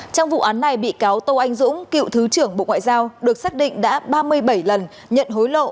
trong vụ án này bị cáo tô anh dũng cựu thứ trưởng bộ ngoại giao được xác định đã ba mươi bảy lần nhận hối lộ